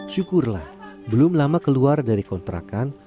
syukurlah belum lama keluar dari kontrakan